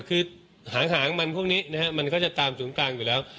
คือหางมันพวกนี้นะฮะมันก็จะตามศูนย์กลางอยู่แล้ว